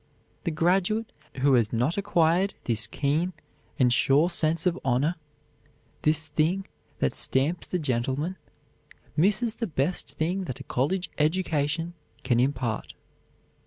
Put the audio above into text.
The graduate who has not acquired this keen and sure sense of honor, this thing that stamps the gentleman, misses the best thing that a college education can impart.